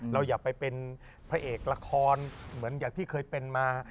อย่าไปเป็นพระเอกละครเหมือนอย่างที่เคยเป็นมา